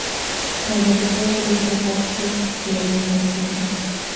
El resultado de este ataque quedó indeciso.